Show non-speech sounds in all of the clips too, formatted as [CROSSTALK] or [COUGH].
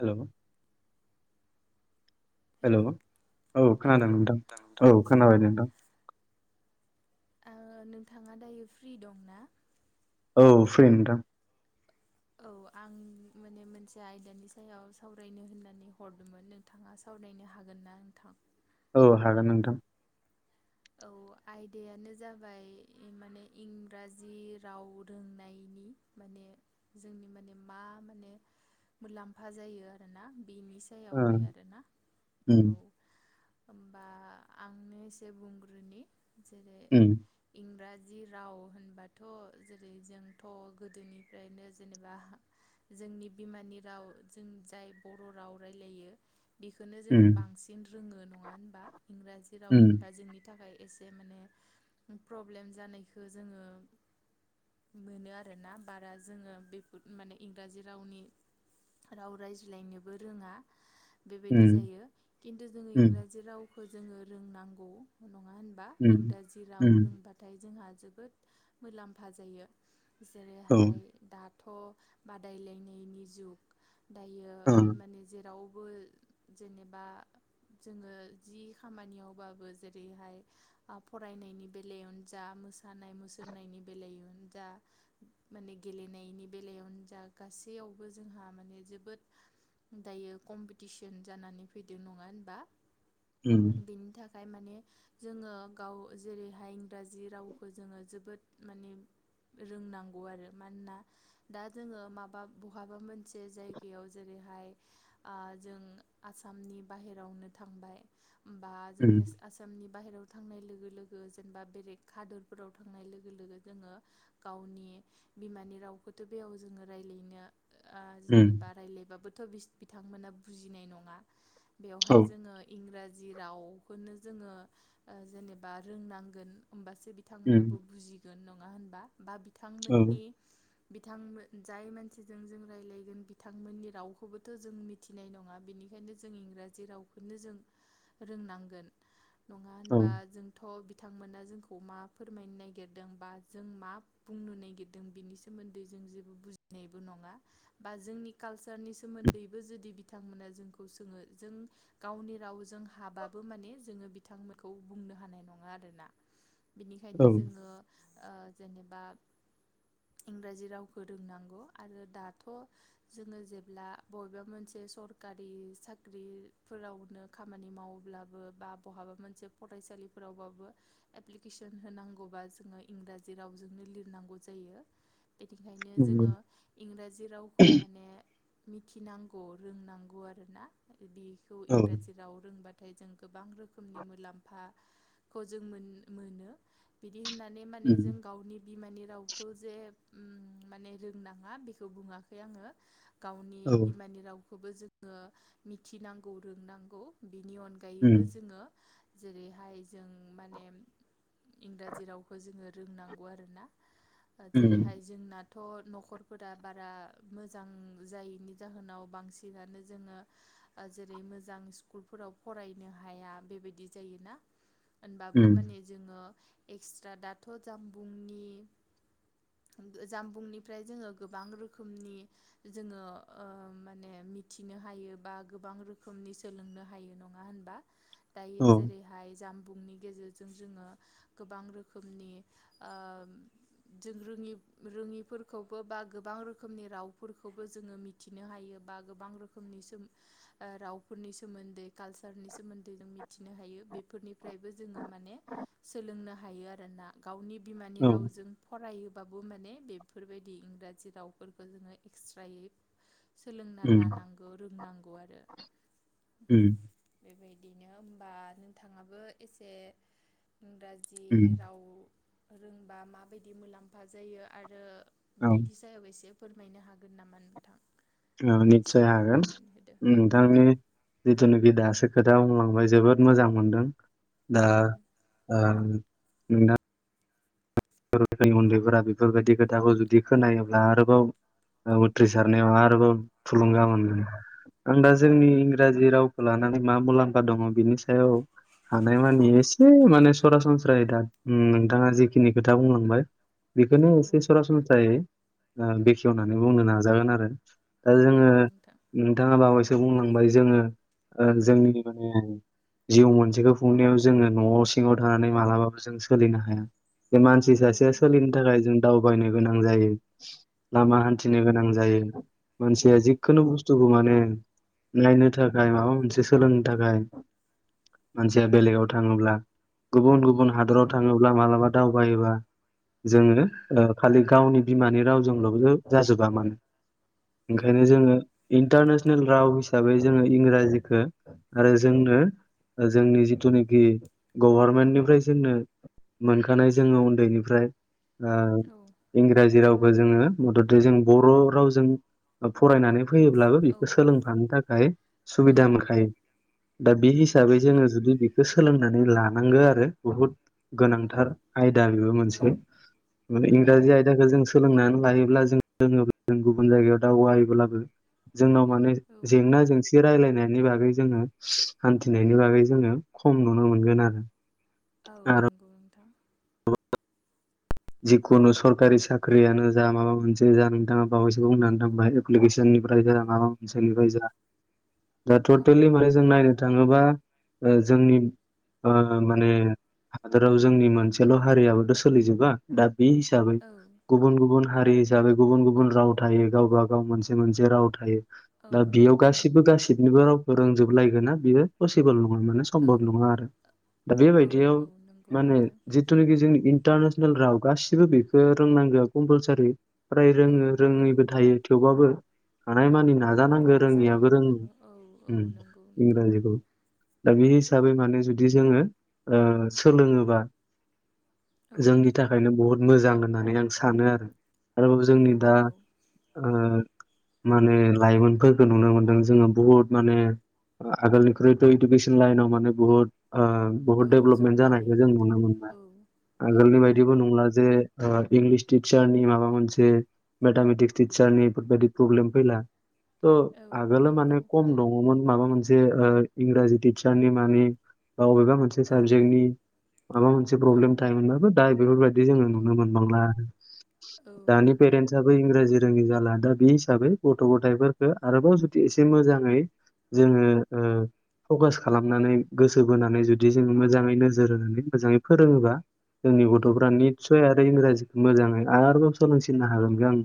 Hello hello औ hello खोनादों नोंथां औ ओ खोनाबाय नोंथां। ओ नोंथाङा दायो फ्रि दंना? औ फ्रि नोंथां औ आं माने मोनसे आयदानि सायाव सावरायनो होननानै हरदोंमोन नोंथाङा सा सावरायनो हागोन ना नोंथां? औ हागोन नोंथां औ आयदायानो जाबाय माने इंराजि राव रोंनाय नि माने जोंनि माने मा माने मुलाम्फा जायो आरोना बिनि ओं सायावहाय आरोना औ उम होमबा आंनो एसे बुं जेरै उम इंराज जि राव होनबाथ' जेरै जोंथ' गोदोनिफ्रायनो जेनेबा जो जोंनि बिमानि राव जों जाय बर' राव रायलायो बेखोनो उम जोङो बांसिन रोङो नङा होनबा इंराजि राव उम होनबा जोंनि थाखाय एसे माने प्रब्लेम जानायखौ जोङो मोनो आरोना बारा जोङो बेफोर माने इंराजि रावनि राव रायज्लायनोबो रोङा बेबायदि उम जायो खिन्थु जोङो उम इंराजि रावखौ जोङो रोंनांगौ नङा होनबा उम इंराजि राव उम रोंबाथाय जोंहा जोबोद मुलाम्फा जायो जे ओं दाथ' बादालायनायनि जुग दायो ओं माने जेराव बो जेनेबा जोङो जि खामानियावबाबो जेरैहाय ओ फरायनायनि बेलायावनो जा मोसानाय मुसुरनायनि बेलायावनो जा माने गेलेनायनि बेलायावनो जा गासैयावबो जोंहा माने जोबोद दायो कम्पिटिसन जानानै फैदों नङा होनबा उम बिनि थाखाय माने जोङो गाव जेरैहाय इंराजि रावखौ जोङो जोबोद माने रोंनांगौ आरो मानोना दा जोङो माबा बहाबा मोनसे जायगायाव जेरै बेहाय ओ जों आसामनि बाहेरावनो थांबाय बा उम जोंनिस आस नि बाहेराव थांनाय लोगो लोगो जेनेबा बेे हादोरफोराव थांनाय लोगो लोगो जोङो गाव नि बिमानि रावखौथ' बेयाव जोङो रायलायनो ओ उम जेनेबा रायलायबाबोथ' बिथांमोना बुजिनाय नङा औ बेवहाय जोङो इंराजि रावखौनो जोङो ओ जेनेबा रोंनांगोन होमबासो उम बिथांमोनाबो बुजिगोन नङा होनबा बा औ बिथांमोननि बिथांमोन जाय मानसिजों जों रायजलायगोन बिथांमोननि रावखौबोथ' जों मिथिनाय नङा बिनि खायनो जों इंराजि रावखोनो जों रोंनांगोन। नङा औ होनबा जोंथ' बिथांमोना जोंखौ मा फोरमायनो नागिरदों बा जों मा बुंनो नागिरदों बिनि सोमोन्दै जो जों बुजिनायबो नङा बा जोंनि कालसारनि सोमोन्दैबो जुदि बिथांमोना जोंखौ सोङो जों गावनि रावजों हाबाबो माने जोङो बिथांमोनखौ बुंनो हानाय नङा आरोना बिनिखायनो औ जोङो ओ जेनेबा इंराजि रावखौ रोंनांगौ आरो दाथ' जोङो जेब्ला बबेबा मोनसे सरकारि साख्रि फोरावनो खामानि मावोब्लाबो बा बहाबा मोनसे फरायसालिफोरावबाबो एप्लिकेसन होनांगौबा जोङो इंराजि रावजोंनो लिरनांगौ जायो बिनिखायनो नंगौ जोङो इंराजि रावखौ माने मिथिनांगौ रोंनांगौ आरोना बेखौ औ इंराजि राव रोंबा थाय जों गोबां रोखोमनि मुलामफाखौ जों मोन मोनो। बि दि होननानै माने उम जों गावनि बिमानि रावखो जे उम माने रोंनाङा बेखौ बुङाखै आङो। गावनि औ बिमानि रावखौबो जोङो मिथिनांगौ रोंनांगौ। बिनि अनगायैबो उम जोङो जेरैहाय जों माने इंराजि रावखौ जोङो रोंनांगौ आरोना उम जेरैहाय जोंना थ' न'खरफोरा बारा मोजां जायैनि जाहोनाव बांसिनानो जोङो आ जेरै मोजां स्कुलफोराव फरायनो हाया बेबायदि जायोना होनबाबो उम माने जोङो एक्सट्रा दाथ' जानबुंनि जानबुंनिफ्राय जोङो गोबां रोखोमनि जोङो ओ माने मिथिनो हायो बा गोबां रोखोमनि सोलोंनो हायो नङा होनबा? दायो औ औ जेरैहाय जामबुंनि गेजेरजों जोङो गोबां रोखोमनि ओ जों रो ङि रोङिफोरखौबो बा गोबां रोखोमनि रावफोरखौबो जोङो मिथिनो हायो बा गोबां रोखोमनि सोम ओ रावफोरनि सोमोन्दै कालसारनि सोमोन्दै जों मि थिनो हायो बेफोरनिफ्रायबो जोङो माने सोलोंनो हायो आरो ना। गावनि बिमानि उम रावजों फरायो बाबो माने बेफोरबायदि इंराजि रावफोरखौ जोङो एक्स्रायै सोलोंना लानांगौ रोंनांगौ आरो। उम बेबायदिनो होमबा नोंथाङाबो एसे इंराजि उम राव रोंबा माबायदि मुलाम्फा जायो आरो औ बिदि जायाव एसे फोरमायनो हागोन नामा नोंथां? ओ एसे निस्सय हागोन फोरमायनानै होदो औ नोंथांनि जिथुुनिकि दासो खोथा बुंलांबाय जोबोद मोजां मोनदों दा ओ नोंना [UNINTELLIGIBLE] उनदैफोरा बेफोरबायदि खोथाखौ जुदि खोनायोब्ला आरोबाव ओ उथ्रिसारनायाव आरोबाव थुलुंगा मोनगोन आं दा औ जोंनि इंराजि राव लानानै मा मुलामफा दङ बिनि सायाव हानायमानि एसे माने सरासनस्रायै दा नोंथाङा जिखिनि खोथा बुंलांबाय बेखौनो एसे औ सरासनस्रायै आ बेखेवनानै बुंनो नाजागोन आरो दा औ जोङो नोंथां नोंथाङा बावैसो बुं लांबाय जोङो ओ जोंनि माने जिउ मोनसेखौ खुंनायाव जोङो न'आव सिङाव थानानै मालाबाबो जों सोलिनो हाया। बे मानसि औ सासेया नंगौ सोलिनो थाखाय जों दावबायनो गोनां जायो। औ लामा हानथिनो गोनां जायो औ मानसिया जिखुनु बुस्थुखौ माने नायनो थाखाय माबा मोनसे सोलोंनो थाखाय मानसिया बेलेगाव थाङोब्ला गुबुन गुबुन औ हादराव थाङोब्ला मालाबा दावबायोबा औ जोङो खालि गावनि बिमानि रावजोंल' जाजोबा माने औ ओंखायनो नंगौ जोङो इनटारनेस ल राव हिसाबै जोङो इंराजिखौ आरो जोंनो जोंनि जिथुनाखि गभारमेन्टनिफ्राय जोंनो मोन खानाय जोङो उन्दैनिफ्राय ओ औ इंराजि राव बो जोङो मददै जों बर' रावजों फरायनानै लोगोसे फैयोब्लाबो औ बेखौ सोलोंफानो थाखाय औ सुबिदा मोनखायो दा बे औ हिसाबै नंगौ जोङो जुदि बेखौ सोलोंनानै लानांगो आरो बहुद औ गोनांथार आयदा बेबो औ मोनसे माने औ इंराजि नंगौ आयदाखौ जों नोंथां सोलोंनानै लायोब्ला जों जोङो जों गुबुन गुबुन जायगायाव दावगायोब्लाबो जोंनाव माने औ जेंना जेंसि रायलाय नायनि बागै जोङो हान्थिनायनि बागै जोङो खम नुनो मोनगोन आरो औ आरो नंगौ नोंथां जिखुनु सरकारि साख्रियानो जा माबा मोनसे जा नोंथाङा बावैसो बुंनानै थांबाय एप्लिकेश [UNINTELLIGIBLE] औ ओसोलनिफ्राय जा दा औ टटेलि माने जों नायनो थाङोबा ओ जोंनि ओ माने हादोराव जोंनि मोनसेल' हारियाबोथ' सोलिजोबा दा बे हिसाबै औ गुबुन गुबुन हारि हिसाबै गुबुन गुबुन राव थायो गावब गाव मोनसे मोनसे राव थायो औ दा बेयाव गासिबो गासिबनिबो रावखौ रोंजोबलायगोन ना बेयो पसिबोल नङा माने औ समब'ब नङा आरो दा बे औ बायदियाव औ नंगौ मा होनो नोंथां जितुनाखि जोंनि इनथारनेस नेल राव गासिबो बेखौ रोंनांगौ कम्पालसरि फ्राय औ रोङो औ रोङैबो थायो थेवबाबो हानायमानि नाजानांगोन रोङियाबो नाजानांगौ जोङो औ औ रोङो नंगौ नोंथां इंराजिखौ दा बे हिसा बै माने जुदि जोङो ओ सोलोङोबा औ जोंनि थाखाय बुहुत मोजां होननानै आं सानो आरो औ जोंनि दा ओ माने लाइमोनफोरखौ नुनो मोनदों जोङो बुहुत माने आगोलनिख्रुइथ' इडुकेसन लाइनाव माने बुहुत ओ बहुत औ दडेभलपमेन्ट जानायखौ जौगानायखौ जों नुनो दोनदों मोनबाय औ औ आगोलनि बायदिबो नंगौ नंला जे ओ इंलिस टिचार नि माबा मोनसे मेथामेटिक्स टिचार नि बेफोरबायदि प्रब्लेम फैला त औ आगोलो नंगौ माने खम दङमोन माबा मोनसे ओ इंराजि टिचारनि मानि अबेबा मोनसे औ साबजेक्टनि माबा मोनसे औ प्रब्लेम थायो मोनबाबो बेफोरबायदि जोङो औ नुनो मोनबांला आरो औ दानि नंगौ पेरेनसआथ इंग्राजि रोङि जाला दा बे हिसाबै गथ' गथायफोरखौ आरोबाव जुदि एसे मोजाङै जोङो ओ फकास खालामनानै गोसो बोनानै जुदि जों मोजाङै नोजोर होनानै मोजाङै फोरोङोबा जोंनि औ गथ'फ्रा निसय आरो इंराजिखौ मोजाङै आरोबाव सोलोंसिननो हागोनखौ आं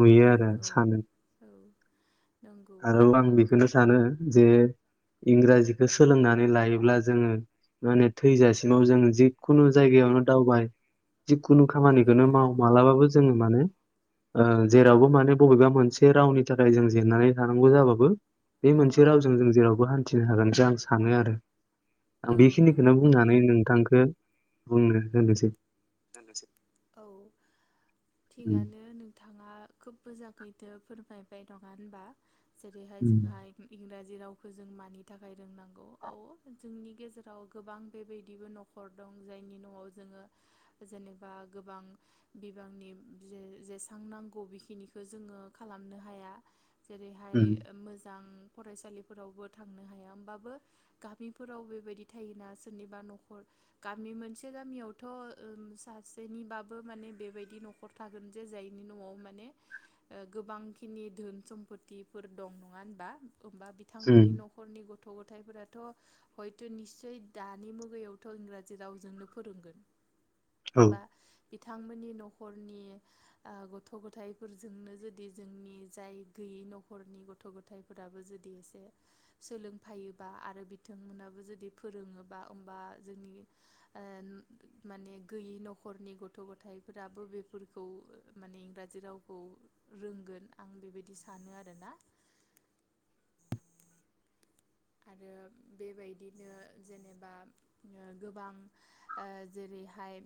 नुयो औ आरो औ सानो औ नंगौ आरो आं बेखौनो सानो जे इंराजिखौ सोलोंनानै लायोब्ला जोङो माने थैजासिमाव जोङो जि खुनु औ जायगायावनो दावबाय जिखुनु खामानिखौनो हैनो माव हागोन औ मालाबाबो जोङो माने ओ जेरावबो माने बबेबा मोनसे रावनि थाखाय जों जेननानै थानांगौ जाबाबो बे औ मोनसे रावजों जों जेरावबो हान्थिनो हागोनखो आं सानो आरो आं औ बेखिनिखौनो नंगौ बुंनानै नोंथां नोंथांखौ बुंनो होनोसै होनोसै औ उम थिगानो नोंथाङा खोब मोजांखैदो फोरमाय बाय नङा होनबा जेरैहाय उम जोंना इंग्रा जि रावखौ जों मानि थाखाय रोंनांगौ औ जोंनि गेजेराव गोबां बेबायदिबो न'खर दं जायनि न'आव जोङो जेनेबा गोबां बिबांनि जे जेसां नांगौ बेखिनिखौ जोङो खालाम नो हाया जेरैहाय उम मोजां फरायसालिफोरावबो थांनो हाया होमबाबो गामिफोराव बेबायदि थायोना सोरनिबा न'खर गामि मोनसे गामियावथ' ओम सासेनिबाबो माने बेबायदि न'खर थागोन जे जायनि न'आव माने ओ गोबांखिनि धोन सम्पतिफोर दं नङा होनबा होनबा उम बिथांमोननि न'खरनि गथ' गथ' गथायाइफोराथ' हयथ' निस्सय दानि मुगायावथ' इंराजि रावजोंनो फोरोंगोन औ होमबा बिथांमोननि न'खरनि ओ गथ' गथायाइफोरजोंनो जुदि जोंनि जाय गैयि न'खरनि गथ' गथफोराबो जुदि एसे सोलोंफायोबा आरो बिथांमोनाबो जुदि फोरोङोबा होमबा जोंनि ओ माने गैयि न'खरनि गथ' गथायाइफोराबो बेफोरखौ माने इंराजि रावखौ रोंगोन आं बेबायदि सानो आरोना आरो बेबायदिनो जेनेबा गोबां ओ जेरै बेहाय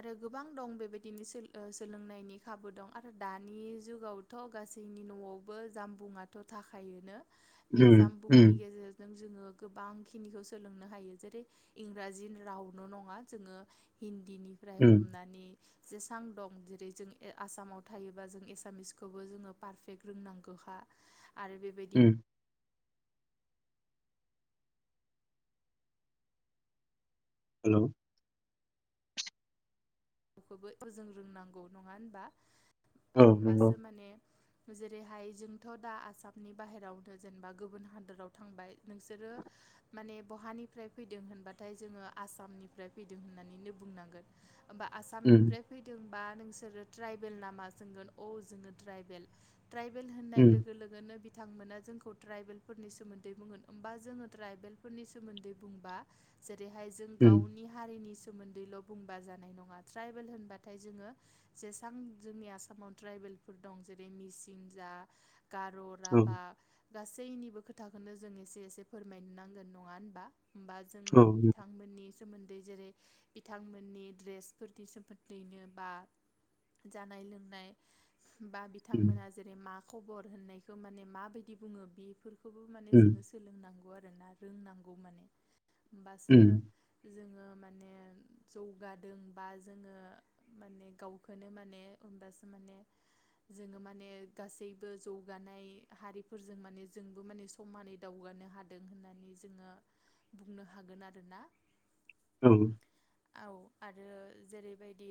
आरो गोबां दं बेबायदिनो सोलो-सोलोंनायनि खाबु दं आरो दानि जुगावथ' गासैनि न'आवबो जामबुंआथ' थाखायोनो बे उम उम उम जामबुंनि गेजेरजों जोङो गोबांखिनिखौ सोलोंनो हायो जेरै इंराजि रावनो नङा जोङो हिन्दीनि फ्राय उम हमनानै जेसां दं जेरै जों ए आसामाव थायोबा जों एसामिसखौबो जोङो पारफेक्ट रोंनांगौ। अखा आरो बेबायदिनो हेलौ बेफोरखौबो जों रोंनांगौ नङा होनबा औ नंगौ होमबासो माने जेरैहाय जोंथ' दा आसामनि बाहेरावनो जेनेबा गुबुन हादोराव थांबाय नोंसोरो माने बहानिफ्राय फैदों होनबाथाय जोङो आसामनिफ्राय फैदों होननानैनो बुंनांगोन होमबा उम आसामनिफ्राय फैदोंबा नोंसोरो ट्राइबेल नामा सोंगोन औ जोङो ट्राइबेल ट्राइबेल होननाय उम लोगो लोगोनो बि बिथांमोना जोंखौ ट्राइबेल फोरनि सोमोन्दै बुंगोन होमबा जोङो ट्राइबेलफोरनि सोमोन्दै बुंबा जे रैहाय जों उम गावनि हारिनि सोमोनदैल' बुंबा जानाय नङा ट्राइबेल होनबाथाय जोङो जेसेबां जोंनि आसामाव ट्राइबेलफोर दं जेरै मिसिं जा आ गार' औ राभा गासैनिबो खोथाखौनो जों एसे एसे फोरमायनो नांगोन नङा होनबा होमबा जों औ बिथांमोननि सोमोन्दै जेरै बिथांमोननि ड्रेस फोरनि सोमोनदैनो बा जानाय लोंनाय बा उम बिथांमोना जेरै मा खबर होननायखौ माने माबायदि बुङो बेफोरखौ खौबो माने उम जोङो सोलोंनांगौ आरोना रोंनांगौ माने होमबासो उम जोङो माने जौगादों बा जोङो माने गावखौनो माने होमबासो माने जोङो माने गासैबो जौगानाय हारिफोरजों माने जोंबो माने समानै दावगा नो हादों होननानै जोङो बुंनो हागोन आरोना। औ औ आरो जेरैबायदि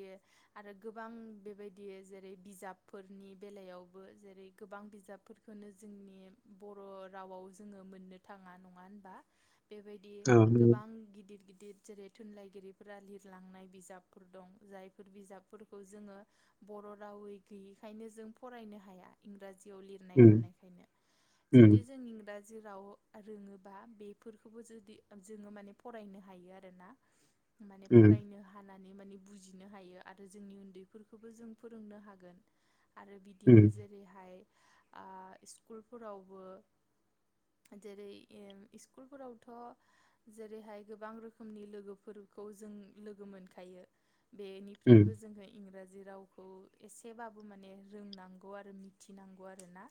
आरो गोबां बेबायदि जेरै बिजाबफोरनि बेलायावबो जेरै रै गोबां बिजाबफोरखौनो जोंनि बर' रावाव जोङो मोननो थाङा नङा होनबा बेबायदि औ नंगौ गोबां गिदिर गिदिर जेरै थुनलाइगिरिफोरा लिरलांनाय बिजाबफोर दं जायफोर बिजाबफोरखौ जोङो बर' रावै गैयिखायनो जों फरायनो हाया इंराजियाव लिरनाय उम थानायखायनो उम जुदि जों इंराजि राव रोङोबा बेफोरखौबो जुदि जोङो माने फरायनो हायो आरोना। माने उम फरायनो हायो माने बुजिनो हायो आरो जोंनि उन्दैफोरखौबो जों फोरोंनो हागोन। आरो उम बिदिनो जेरैहाय आ स्कुलफोरावबो जेरै इ-स्कुलफोरावथ' जेरैहाय गोबां रोखोमनि लोगोफोर खौ जों लोगो मोनखायो उम बेनिफ्रायबो जोङो इंराजि रावखौ एसेबाबो माने रोंनांगौ आरो मिथिनांगौ आरो ना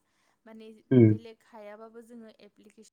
माने उम बेलेग हायाबाबो जोङो एप्लिकेसन